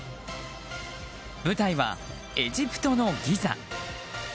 舞台はエジプトのギザ。